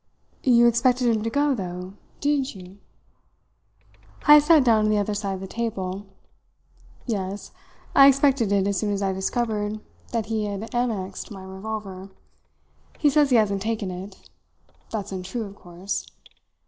"You expected him to go, though, didn't you?" Heyst sat down on the other side of the table. "Yes. I expected it as soon as I discovered that he had annexed my revolver. He says he hasn't taken it. That's untrue of course.